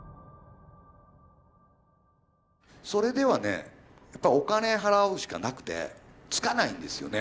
それではねやっぱお金払うしかなくてつかないんですよね。